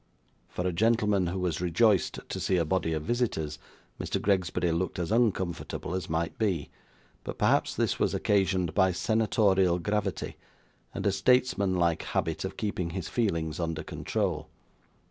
For a gentleman who was rejoiced to see a body of visitors, Mr. Gregsbury looked as uncomfortable as might be; but perhaps this was occasioned by senatorial gravity, and a statesmanlike habit of keeping his feelings under control.